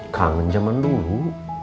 kangen zaman dulu